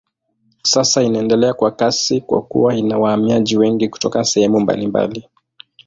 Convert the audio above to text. Sasa inaendelea kwa kasi kwa kuwa ina wahamiaji wengi kutoka sehemu mbalimbali.